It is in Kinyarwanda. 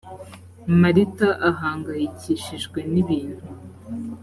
marita ahangayikishijwe n ‘ibintu.